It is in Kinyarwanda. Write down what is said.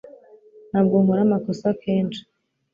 Ntabwo nkora amakosa kenshi